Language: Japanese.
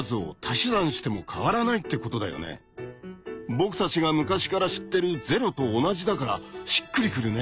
僕たちが昔から知ってる「０」と同じだからしっくりくるね。